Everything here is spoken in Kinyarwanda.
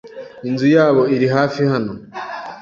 Inzu yabo iri hafi hano.